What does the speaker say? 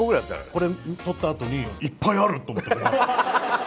これ取ったあとに「いっぱいある！」と思ってハハハ